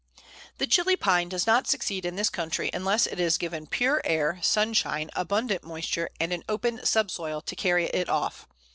The Chili Pine does not succeed in this country unless it is given pure air, sunshine, abundant moisture, and an open subsoil to carry it off.